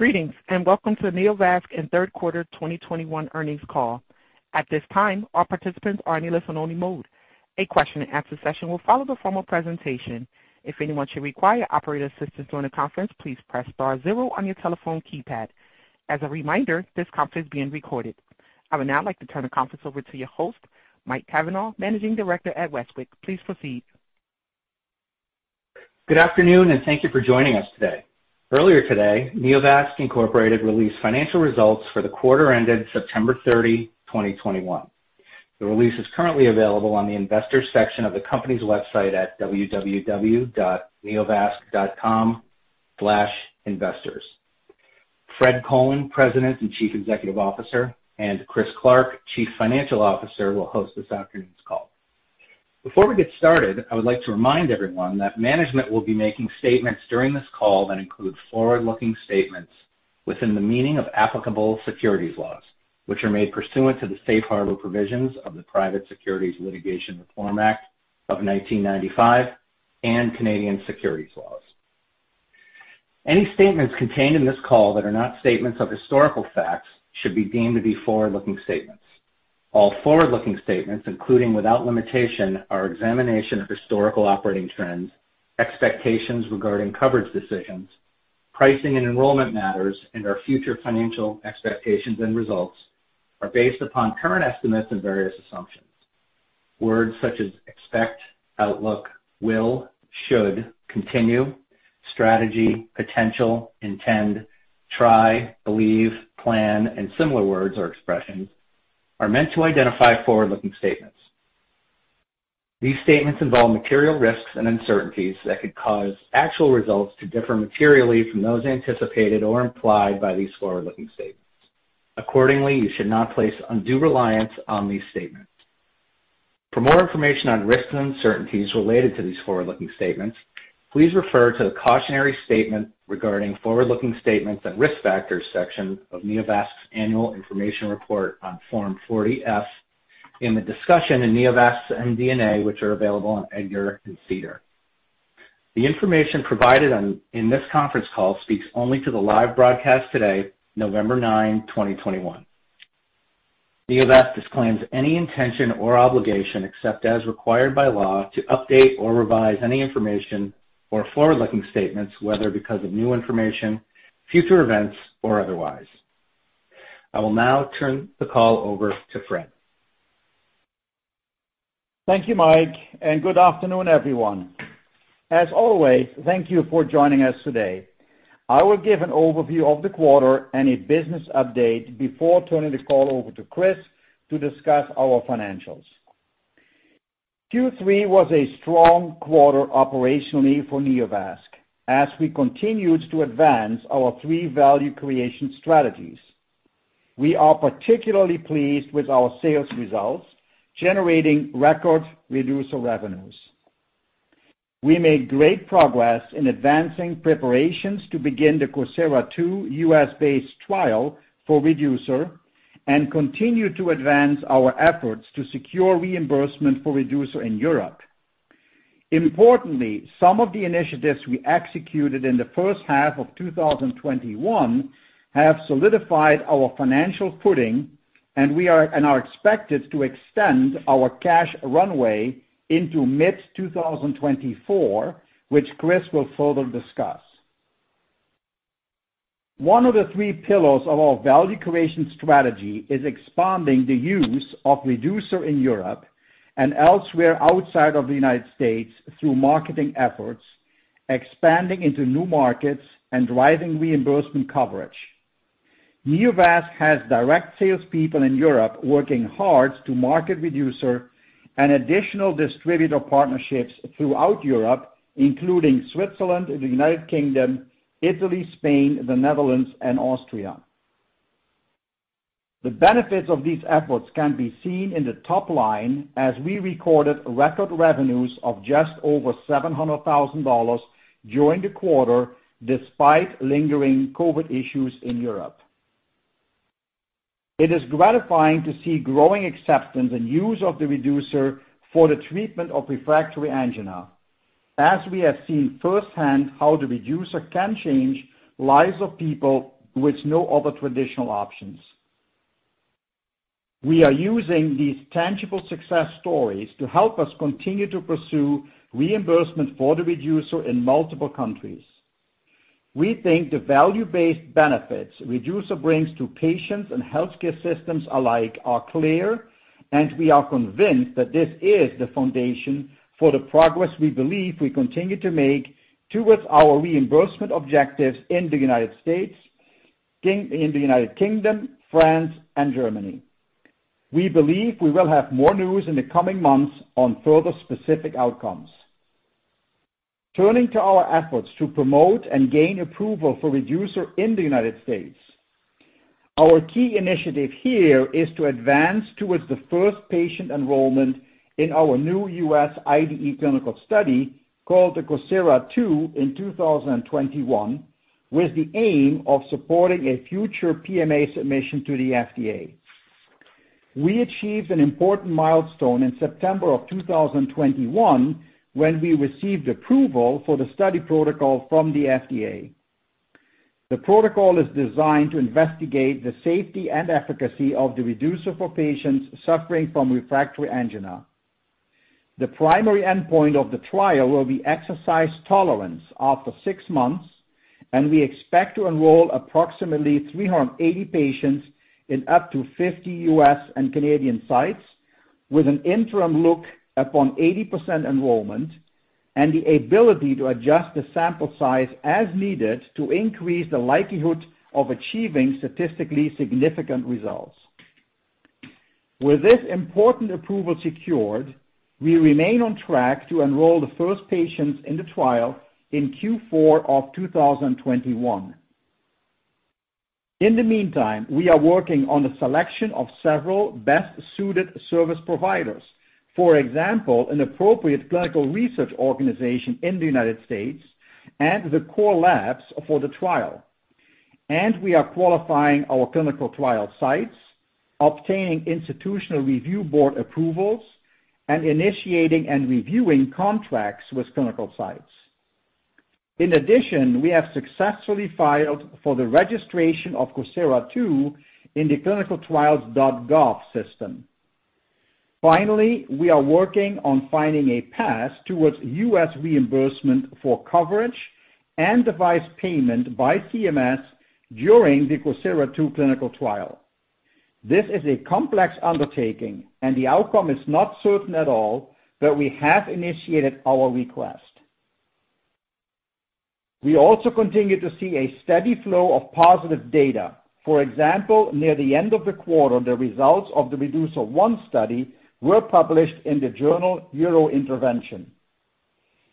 Greetings, welcome to the Neovasc Inc. Third quarter 2021 Earnings Call. At this time, all participants are in listen only mode. A question-and-answer session will follow the formal presentation. If anyone should require operator assistance during the conference, please press star zero on your telephone keypad. As a reminder, this conference is being recorded. I would now like to turn the conference over to your host, Mike Cavanaugh, Managing Director at Westwicke. Please proceed. Good afternoon, and thank you for joining us today. Earlier today, Neovasc Inc. released financial results for the quarter ended September 30, 2021. The release is currently available on the Investors Section of the company's website at www.neovasc.com/investors. Fred Colen, President and Chief Executive Officer, and Chris Clark, Chief Financial Officer, will host this afternoon's call. Before we get started, I would like to remind everyone that management will be making statements during this call that include forward-looking statements within the meaning of applicable securities laws, which are made pursuant to the safe harbor provisions of the Private Securities Litigation Reform Act of 1995 and Canadian securities laws. Any statements contained in this call that are not statements of historical facts should be deemed to be forward-looking statements. All forward-looking statements, including without limitation, our examination of historical operating trends, expectations regarding coverage decisions, pricing and enrollment matters, and our future financial expectations and results, are based upon current estimates and various assumptions. Words such as expect, outlook, will, should, continue, strategy, potential, intend, try, believe, plan, and similar words or expressions are meant to identify forward-looking statements. These statements involve material risks and uncertainties that could cause actual results to differ materially from those anticipated or implied by these forward-looking statements. Accordingly, you should not place undue reliance on these statements. For more information on risks and uncertainties related to these forward-looking statements, please refer to the Cautionary Statement regarding Forward-Looking Statements and Risk Factors section of Neovasc's Annual Information Report on Form 40-F in the discussion in Neovasc's MD&A, which are available on EDGAR and SEDAR. The information provided in this conference call speaks only to the live broadcast today, November 9, 2021. Neovasc disclaims any intention or obligation, except as required by law, to update or revise any information or forward-looking statements, whether because of new information, future events or otherwise. I will now turn the call over to Fred. Thank you, Mike Cavanaugh. Good afternoon, everyone. As always, thank you for joining us today. I will give an overview of the quarter and a business update before turning the call over to Chris Clark to discuss our financials. Q3 was a strong quarter operationally for Neovasc as we continued to advance our three value creation strategies. We are particularly pleased with our sales results, generating record Reducer revenues. We made great progress in advancing preparations to begin the COSIRA-II U.S.-based trial for Reducer and continue to advance our efforts to secure reimbursement for Reducer in Europe. Importantly, some of the initiatives we executed in the first half of 2021 have solidified our financial footing, and are expected to extend our cash runway into mid-2024, which Chris Clark will further discuss. One of the three pillars of our value creation strategy is expanding the use of Reducer in Europe and elsewhere outside of the United States through marketing efforts, expanding into new markets and driving reimbursement coverage. Neovasc has direct salespeople in Europe working hard to market Reducer and additional distributor partnerships throughout Europe, including Switzerland, the United Kingdom, Italy, Spain, the Netherlands, and Austria. The benefits of these efforts can be seen in the top line as we recorded record revenues of just over $700,000 during the quarter, despite lingering COVID issues in Europe. It is gratifying to see growing acceptance and use of the Reducer for the treatment of refractory angina, as we have seen firsthand how the Reducer can change lives of people with no other traditional options. We are using these tangible success stories to help us continue to pursue reimbursement for the Reducer in multiple countries. We think the value-based benefits Reducer brings to patients and healthcare systems alike are clear, and we are convinced that this is the foundation for the progress we believe we continue to make towards our reimbursement objectives in the U.S., in the U.K., France, and Germany. We believe we will have more news in the coming months on further specific outcomes. Turning to our efforts to promote and gain approval for Reducer in the U.S. Our key initiative here is to advance towards the first patient enrollment in our new U.S. IDE clinical study called the COSIRA-II in 2021, with the aim of supporting a future PMA submission to the FDA. We achieved an important milestone in September of 2021 when we received approval for the study protocol from the FDA. The protocol is designed to investigate the safety and efficacy of the Reducer for patients suffering from refractory angina. The primary endpoint of the trial will be exercise tolerance after six months, and we expect to enroll approximately 380 patients in up to 50 U.S. and Canadian sites with an interim look upon 80% enrollment and the ability to adjust the sample size as needed to increase the likelihood of achieving statistically significant results. With this important approval secured, we remain on track to enroll the first patients in the trial in Q4 of 2021. In the meantime, we are working on the selection of several best-suited service providers. For example, an appropriate clinical research organization in the U.S. and the core labs for the trial. We are qualifying our clinical trial sites, obtaining institutional review board approvals, and initiating and reviewing contracts with clinical sites. In addition, we have successfully filed for the registration of COSIRA-II in the clinicaltrials.gov system. Finally, we are working on finding a path towards U.S. reimbursement for coverage and device payment by CMS during the COSIRA-II clinical trial. This is a complex undertaking and the outcome is not certain at all, but we have initiated our request. We also continue to see a steady flow of positive data. For example, near the end of the quarter, the results of the REDUCER-I study were published in the journal EuroIntervention.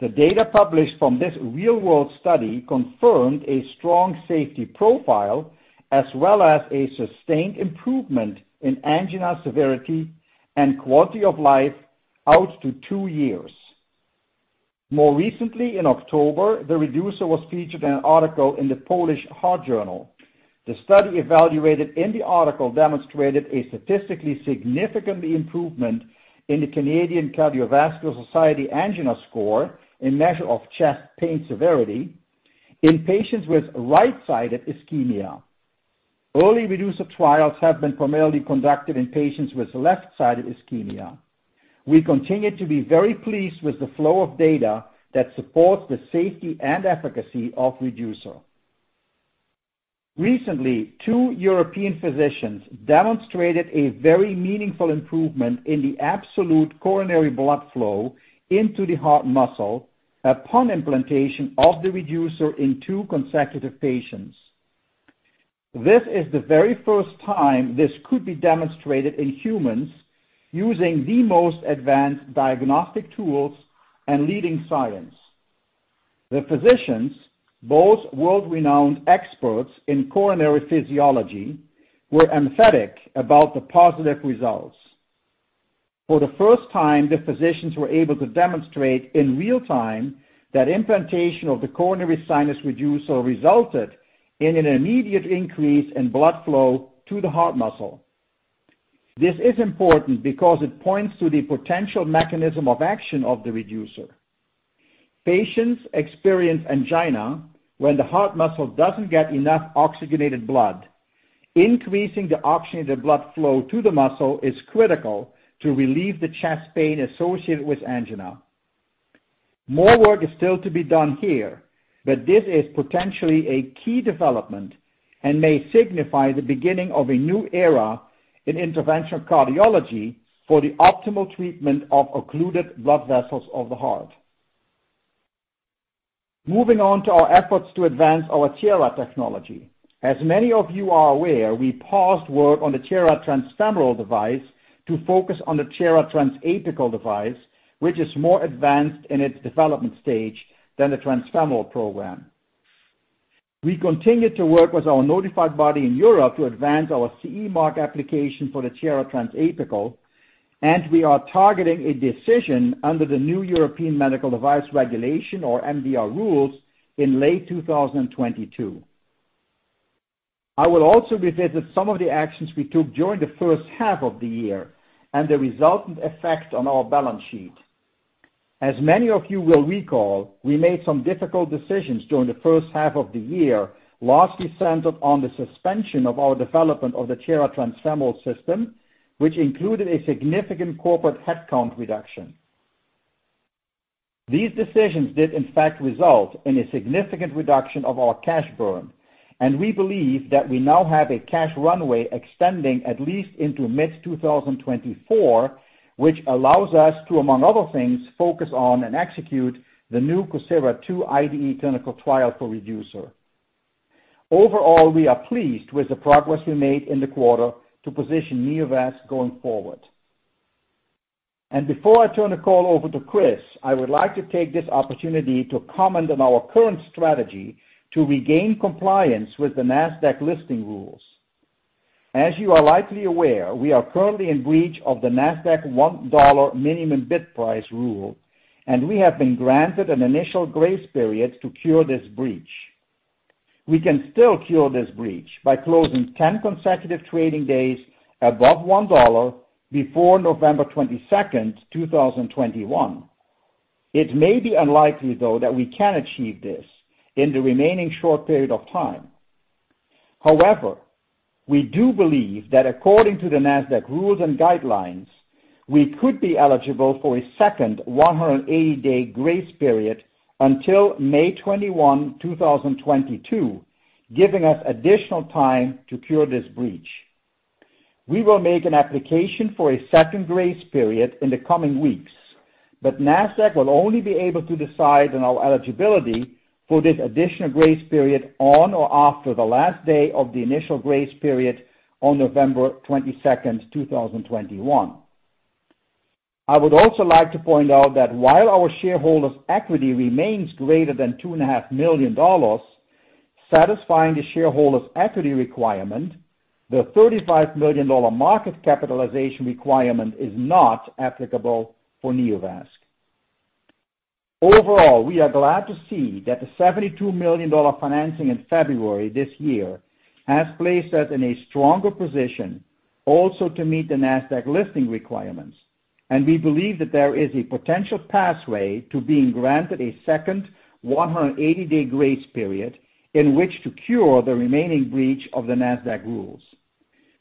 The data published from this real-world study confirmed a strong safety profile as well as a sustained improvement in angina severity and quality of life out to two years. More recently, in October, the Reducer was featured in an article in the Polish Heart Journal. The study evaluated in the article demonstrated a statistically significant improvement in the Canadian Cardiovascular Society angina score, a measure of chest pain severity in patients with right-sided ischemia. Early Reducer trials have been primarily conducted in patients with left-sided ischemia. We continue to be very pleased with the flow of data that supports the safety and efficacy of Reducer. Recently, two European physicians demonstrated a very meaningful improvement in the absolute coronary blood flow into the heart muscle upon implantation of the Reducer in two consecutive patients. This is the very first time this could be demonstrated in humans using the most advanced diagnostic tools and leading science. The physicians, both world-renowned experts in coronary physiology, were emphatic about the positive results. For the first time, the physicians were able to demonstrate in real time that implantation of the Coronary Sinus Reducer resulted in an immediate increase in blood flow to the heart muscle. This is important because it points to the potential mechanism of action of the Reducer. Patients experience angina when the heart muscle doesn't get enough oxygenated blood. Increasing the oxygenated blood flow to the muscle is critical to relieve the chest pain associated with angina. More work is still to be done here, but this is potentially a key development and may signify the beginning of a new era in interventional cardiology for the optimal treatment of occluded blood vessels of the heart. Moving on to our efforts to advance our Tiara technology. As many of you are aware, we paused work on the Tiara transfemoral device to focus on the Tiara transapical device, which is more advanced in its development stage than the transfemoral program. We continue to work with our notified body in Europe to advance our CE mark application for the Tiara transapical, and we are targeting a decision under the new European Medical Device Regulation or MDR rules in late 2022. I will also revisit some of the actions we took during the first half of the year and the resultant effect on our balance sheet. As many of you will recall, we made some difficult decisions during the first half of the year, largely centered on the suspension of our development of the Tiara transfemoral system, which included a significant corporate headcount reduction. These decisions did in fact result in a significant reduction of our cash burn. We believe that we now have a cash runway extending at least into mid 2024, which allows us to, among other things, focus on and execute the new COSIRA-II IDE clinical trial for Reducer. Overall, we are pleased with the progress we made in the quarter to position Neovasc going forward. Before I turn the call over to Chris, I would like to take this opportunity to comment on our current strategy to regain compliance with the Nasdaq listing rules. As you are likely aware, we are currently in breach of the Nasdaq $1 minimum bid price rule. We have been granted an initial grace period to cure this breach. We can still cure this breach by closing 10 consecutive trading days above $1 before November 22nd, 2021. It may be unlikely, though, that we can achieve this in the remaining short period of time. We do believe that according to the Nasdaq rules and guidelines, we could be eligible for a second 180-day grace period until May 21, 2022, giving us additional time to cure this breach. We will make an application for a second grace period in the coming weeks. Nasdaq will only be able to decide on our eligibility for this additional grace period on or after the last day of the initial grace period on November 22nd, 2021. I would also like to point out that while our shareholders' equity remains greater than two and a half million dollars, satisfying the shareholders' equity requirement, the $35 million market capitalization requirement is not applicable for Neovasc. Overall, we are glad to see that the $72 million financing in February this year has placed us in a stronger position also to meet the Nasdaq listing requirements. We believe that there is a potential pathway to being granted a second 180-day grace period in which to cure the remaining breach of the Nasdaq rules.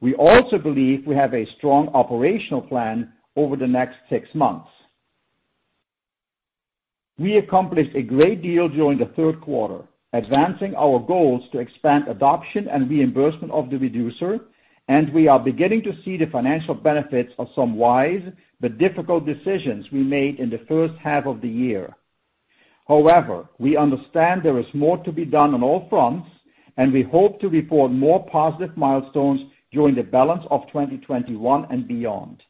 We also believe we have a strong operational plan over the next six months. We accomplished a great deal during the third quarter, advancing our goals to expand adoption and reimbursement of the Reducer, and we are beginning to see the financial benefits of some wise but difficult decisions we made in the first half of the year. We understand there is more to be done on all fronts, and we hope to report more positive milestones during the balance of 2021 and beyond.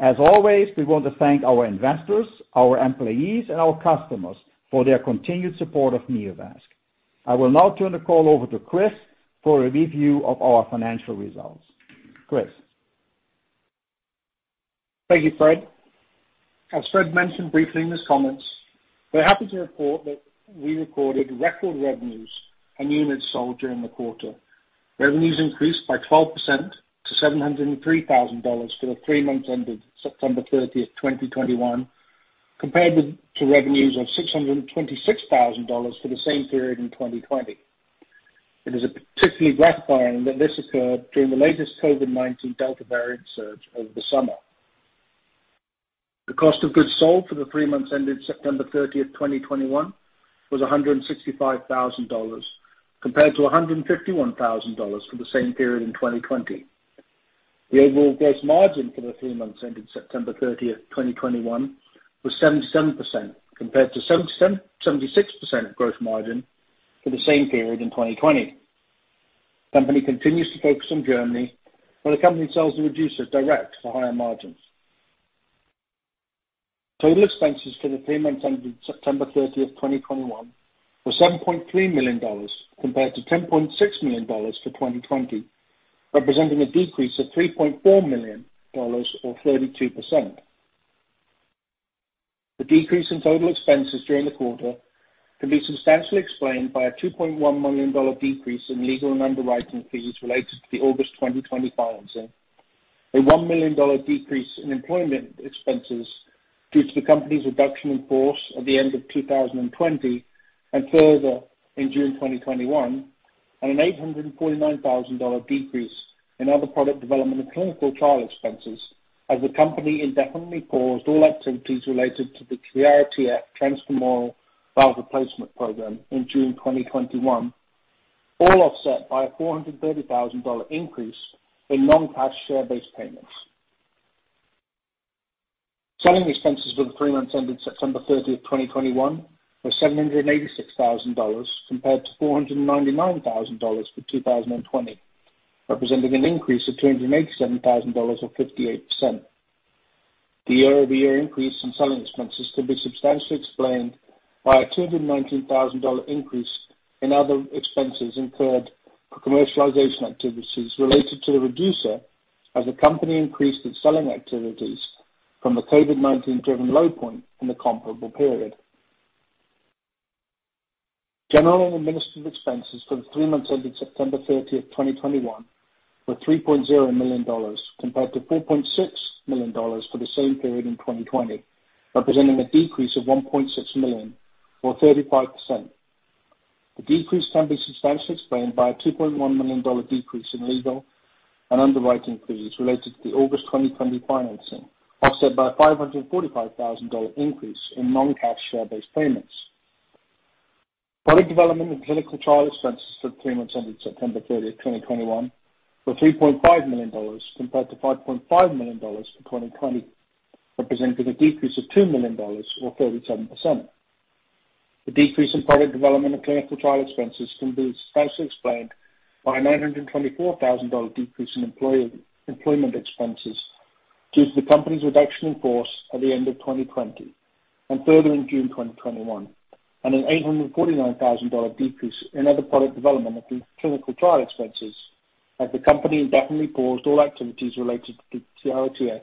As always, we want to thank our investors, our employees, and our customers for their continued support of Neovasc. I will now turn the call over to Chris for a review of our financial results. Chris. Thank you, Fred. As Fred mentioned briefly in his comments, we're happy to report that we recorded record revenues and units sold during the quarter. Revenues increased by 12% to $703,000 for the three months ended September 30th, 2021, compared to revenues of $626,000 for the same period in 2020. It is particularly gratifying that this occurred during the latest COVID-19 Delta variant surge over the summer. The cost of goods sold for the 3 months ended September 30th, 2021 was $165,000, compared to $151,000 for the same period in 2020. The overall gross margin for the three months ended September 30th, 2021 was 77%, compared to 76% gross margin for the same period in 2020. Company continues to focus on Germany, where the company sells the Reducer direct for higher margins. Total expenses for the three months ended September 30th, 2021 were $7.3 million, compared to $10.6 million for 2020, representing a decrease of $3.4 million or 32%. The decrease in total expenses during the quarter can be substantially explained by a $2.1 million decrease in legal and underwriting fees related to the August 2020 financing. A $1 million decrease in employment expenses due to the company's reduction in force at the end of 2020, and further in June 2021. An $849,000 decrease in other product development and clinical trial expenses as the company indefinitely paused all activities related to the Tiara TF transfemoral valve replacement program in June 2021. All offset by a $430,000 increase in non-cash share-based payments. Selling expenses for the three months ended September 30th, 2021, were $786,000 compared to $499,000 for 2020, representing an increase of $287,000 or 58%. The year-over-year increase in selling expenses can be substantially explained by a $219,000 increase in other expenses incurred for commercialization activities related to the Reducer as the company increased its selling activities from the COVID-19 driven low point in the comparable period. General and administrative expenses for the three months ended September 30th, 2021, were $3.0 million compared to $4.6 million for the same period in 2020, representing a decrease of $1.6 million or 35%. The decrease can be substantially explained by a $2.1 million decrease in legal and underwriting fees related to the August 2020 financing, offset by $545,000 increase in non-cash share-based payments. Product development and clinical trial expenses for the three months ended September 30th, 2021, were $3.5 million compared to $5.5 million in 2020, representing a decrease of $2 million or 37%. The decrease in product development and clinical trial expenses can be substantially explained by a $924,000 decrease in employment expenses due to the company's reduction in force at the end of 2020 and further in June 2021, and a $849,000 decrease in other product development and clinical trial expenses as the company indefinitely paused all activities related to the Tiara TF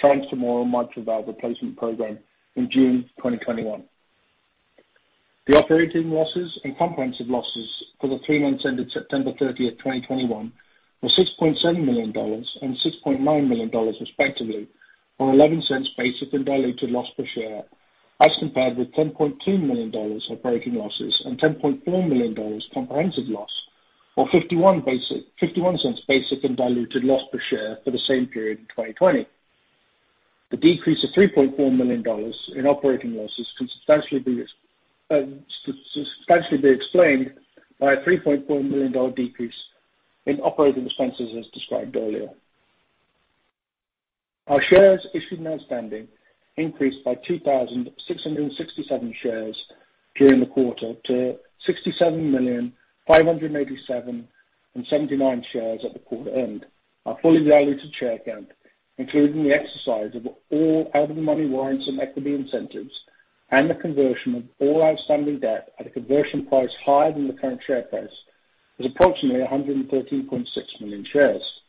transfemoral mitral valve replacement program in June 2021. The operating losses and comprehensive losses for the three months ended September 30th, 2021 were $6.7 million and $6.9 million, respectively, or $0.11 basic and diluted loss per share as compared with $10.2 million operating losses and $10.4 million comprehensive loss, or $0.51 basic and diluted loss per share for the same period in 2020. The decrease of $3.4 million in operating losses can substantially be explained by a $3.4 million decrease in operating expenses as described earlier. Our shares issued and outstanding increased by 2,667 shares during the quarter to 67,587,079 shares at the quarter end. Our fully diluted share count, including the exercise of all out-of-the-money warrants and equity incentives and the conversion of all outstanding debt at a conversion price higher than the current share price, is approximately 113.6 million shares.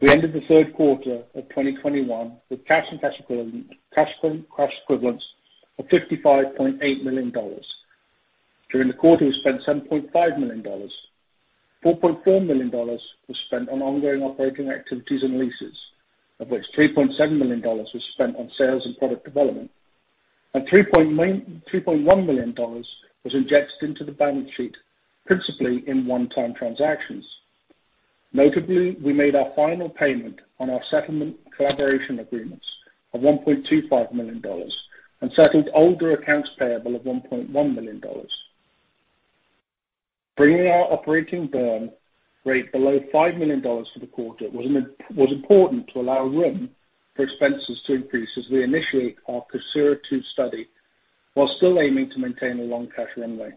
We ended the third quarter of 2021 with cash and cash equivalents of $55.8 million. During the quarter, we spent $7.5 million. $4.4 million was spent on ongoing operating activities and leases, of which $3.7 million was spent on sales and product development, and $3.1 million was injected into the balance sheet, principally in one-time transactions. Notably, we made our final payment on our settlement collaboration agreements of $1.25 million and settled older accounts payable of $1.1 million. Bringing our operating burn rate below $5 million for the quarter was important to allow room for expenses to increase as we initiate our COSIRA-II study while still aiming to maintain a long cash runway.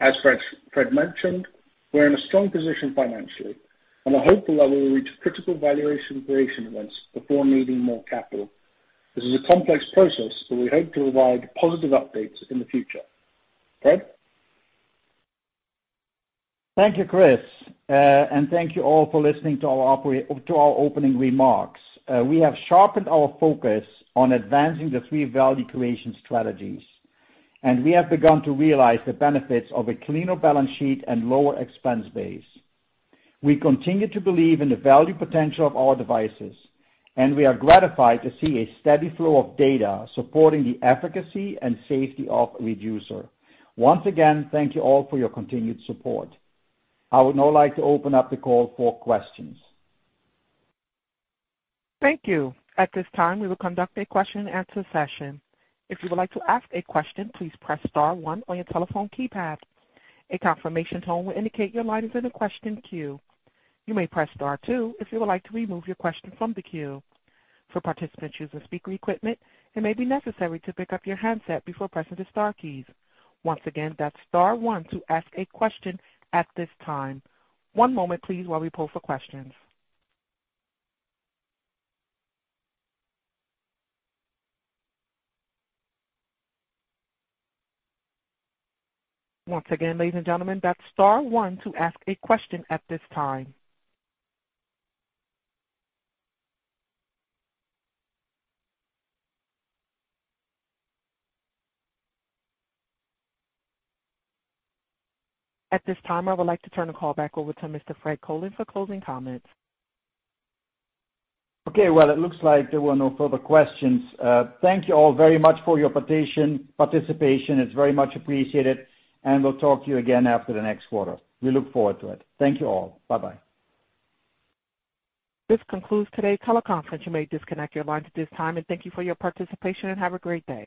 As Fred mentioned, we're in a strong position financially, and I hope that we will reach critical valuation creation events before needing more capital. This is a complex process, but we hope to provide positive updates in the future. Fred? Thank you, Chris. Thank you all for listening to our opening remarks. We have sharpened our focus on advancing the three value creation strategies, and we have begun to realize the benefits of a cleaner balance sheet and lower expense base. We continue to believe in the value potential of our devices, and we are gratified to see a steady flow of data supporting the efficacy and safety of Reducer. Once again, thank you all for your continued support. I would now like to open up the call for questions. Thank you. At this time, we will conduct a question-and-answer session. At this time, I would like to turn the call back over to Mr. Fred Colen for closing comments. Okay. Well, it looks like there were no further questions. Thank you all very much for your participation. It is very much appreciated, and we will talk to you again after the next quarter. We look forward to it. Thank you all. Bye-bye. This concludes today's teleconference. You may disconnect your lines at this time. Thank you for your participation, and have a great day.